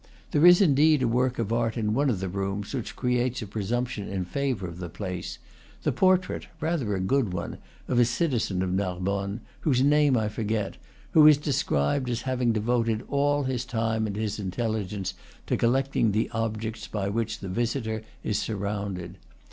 There is indeed a work of art in one of the rooms which creates a presumption in favor of the place, the portrait (rather a good one) of a citizen of Narbonne, whose name I forget, who is described as having devoted all his time and his intelligence to collecting the objects by which the. visitor is sur rounded.